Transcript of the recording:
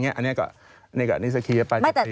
อันนี้ก็นิสัครีประจิตี